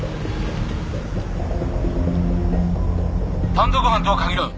単独犯とは限らん。